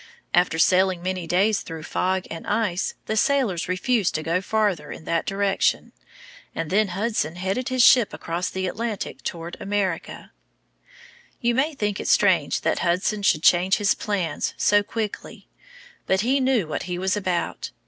After sailing many days through fog and ice, the sailors refused to go farther in that direction, and then Hudson headed his ship across the Atlantic toward America. You may think it strange that Hudson should change his plans so quickly, but he knew what he was about.